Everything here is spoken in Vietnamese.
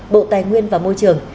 bộ tài nguyên và môi trường